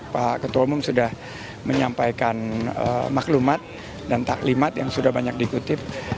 pak ketua umum sudah menyampaikan maklumat dan taklimat yang sudah banyak dikutip